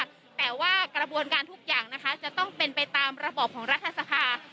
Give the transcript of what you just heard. แต่ว่ากระบวนการทุกอย่างนะคะจะต้องเป็นไปตามระบอบของรัฐสภา